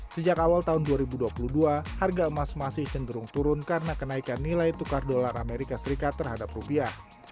sejak awal tahun dua ribu dua puluh dua harga emas masih cenderung turun karena kenaikan nilai tukar dolar amerika serikat terhadap rupiah